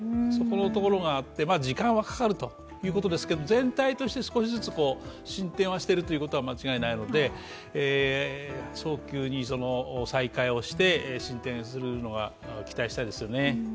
そこのところがあって時間はかかるということですが全体として少しずつ進展はしているということは間違いないので早急に再開をして、進展するのを期待したいですね。